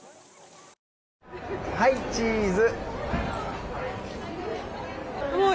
はいチーズ！